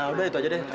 udah itu aja deh